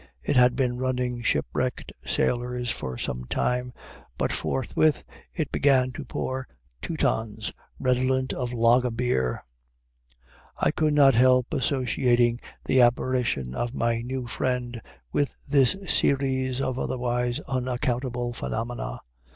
It had been running shipwrecked sailors for some time, but forthwith it began to pour Teutons, redolent of lager bier. I could not help associating the apparition of my new friend with this series of otherwise unaccountable phenomena.